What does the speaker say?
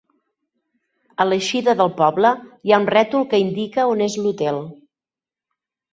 A l'eixida del poble hi ha un rètol que indica on és l'hotel.